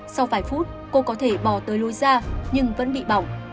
sau vài phút cô có thể bỏ tới lối ra nhưng vẫn bị bỏng